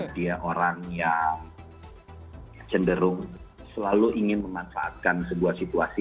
dia orang yang cenderung selalu ingin memanfaatkan sebuah situasi